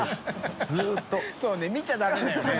そうね見ちゃダメだよね。